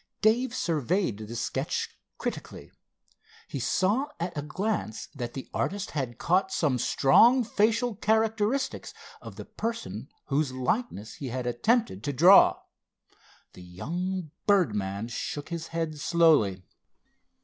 Dave surveyed the sketch critically. He saw at a glance that the artist had caught some strong facial characteristics of the person whose likeness he had attempted to draw. The young birdman shook his head slowly.